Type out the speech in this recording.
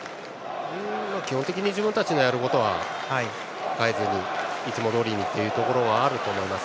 基本的に自分たちのやることは変えずにいつもどおりにというところはあると思います。